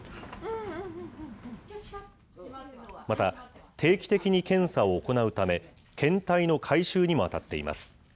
また、定期的に検査を行うため、検体の回収にも当たっています。